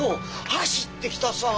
走ってきたさぁ。